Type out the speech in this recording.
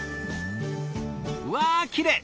うわきれい！